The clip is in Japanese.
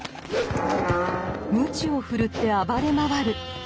鞭を振るって暴れ回る！